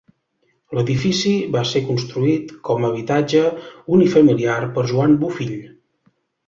L'edifici va ser construït com a habitatge unifamiliar per Joan Bofill.